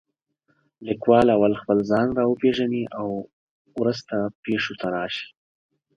لیکوال اول خپله ځان را وپېژنې او وروسته پېښو ته راشي.